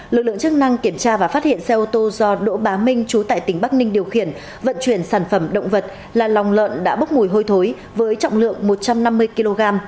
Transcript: lực lượng chức năng kiểm tra và phát hiện xe ô tô do đỗ bá minh trú tại tỉnh bắc ninh điều khiển vận chuyển sản phẩm động vật là lòng lợn đã bốc mùi hôi thối với trọng lượng một trăm năm mươi kg